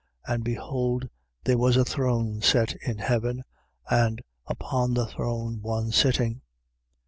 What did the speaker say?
And behold, there was a throne set in heaven, and upon the throne one sitting.